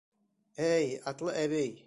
Әй, атлы әбей.